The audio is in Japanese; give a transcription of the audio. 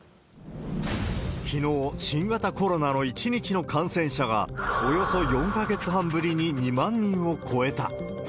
きのう、新型コロナの１日の感染者がおよそ４か月半ぶりに２万人を超えた。